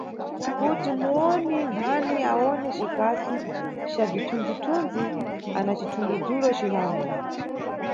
Kuti muwoni nkhani awone Cikasi ca bzithunzi-thunzi ana cithumbudzulo cinango.